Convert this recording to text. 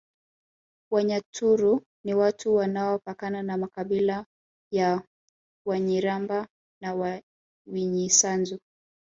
Wanyaturu ni watu wanaopakana na makabila ya Wanyiramba na Winyisanzu